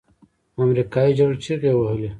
امريکايي ژړل چيغې يې وهلې.